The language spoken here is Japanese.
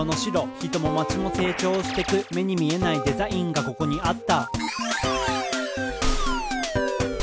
「人も町も成長してく目に見えないデザインがここにあった」